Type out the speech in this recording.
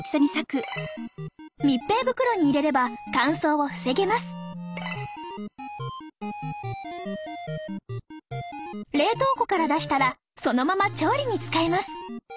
密閉袋に入れれば乾燥を防げます冷凍庫から出したらそのまま調理に使えます